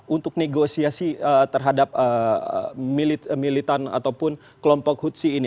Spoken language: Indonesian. untuk negosiasi terhadap militan ataupun kelompok hutsi ini